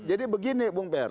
jadi begini bung per